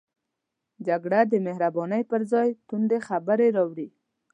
جګړه د مهربانۍ پر ځای توندې خبرې راوړي